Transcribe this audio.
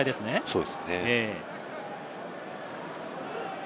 そうですね。